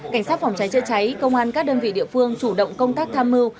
cảnh sát phòng cháy chữa cháy công an các đơn vị địa phương chủ động công tác tham mưu